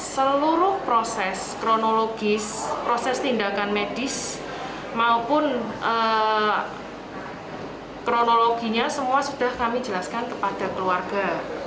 seluruh proses kronologis proses tindakan medis maupun kronologinya semua sudah kami jelaskan kepada keluarga